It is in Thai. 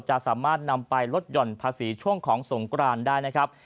จะสามารถนำไปลดหย่อนภาษีช่วงของสงกรานได้นะครับ